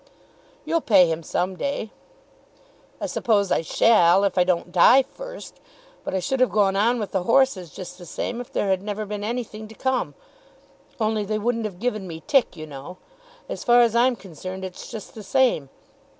"You'll pay him some day." "I suppose I shall, if I don't die first. But I should have gone on with the horses just the same if there had never been anything to come; only they wouldn't have given me tick, you know. As far as I'm concerned it's just the same.